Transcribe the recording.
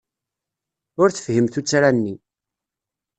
Ur tefhim tuttra-nni.